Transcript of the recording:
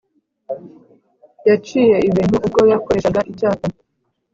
yaciye ibintu ubwo yakoreshaga icyapa,